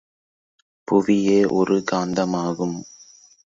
புவியே ஒரு காந்தமாகும்.